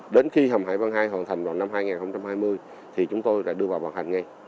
đến khi hầm hải văn hai hoàn thành vào năm hai nghìn hai mươi thì chúng tôi sẽ đưa vào hoàn thành ngay